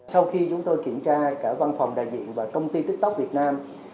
sau khi chúng tôi kiểm tra cả văn phòng đại diện và công ty tiktok việt nam